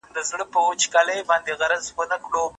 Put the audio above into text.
خو خدای دي وکړي چي